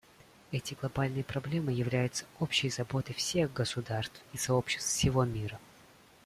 Эти глобальные проблемы являются общей заботой всех государств и сообществ всего мира.